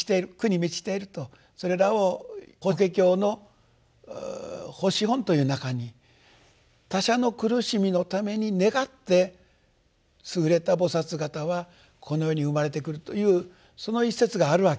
それらを「法華経」の法師品という中に他者の苦しみのために願って優れた菩方はこの世に生まれてくるというその一節があるわけで。